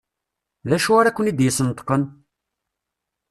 D acu ara ken-id-yesneṭqen?